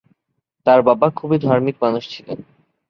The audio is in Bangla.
তার বাবা খুবই ধার্মিক মানুষ ছিলেন।